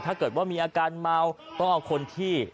ถ้าเกิดว่ามีอาการเมาต้องเอาคนที่